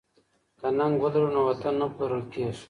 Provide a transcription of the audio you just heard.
که ننګ ولرو نو وطن نه پلورل کیږي.